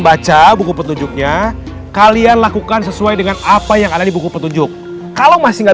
baca buku petunjuknya kalian lakukan sesuai dengan apa yang ada di buku petunjuk kalau masih nggak